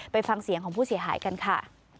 ไปฟังเสียงของผู้เสียหายกันค่ะ